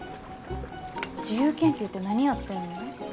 自由研究って何やってんの？